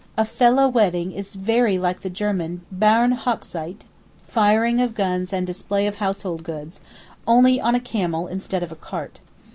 A Fellah wedding is very like the German Bauern hochzeit firing of guns and display of household goods, only on a camel instead of a cart.